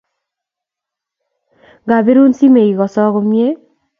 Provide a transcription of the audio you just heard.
Ngabirun simet igiso komnyei?